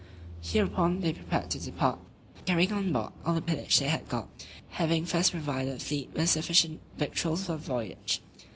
Hereupon, they prepared to depart, carrying on board all the pillage they had got, having first provided the fleet with sufficient victuals for the voyage.